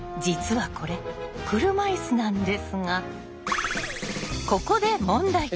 実はこれ車いすなんですがここで問題。